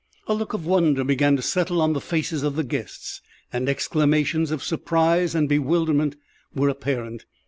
A look of wonder began to settle on the faces of the guests, and exclamations of surprise and bewilderment were apparent.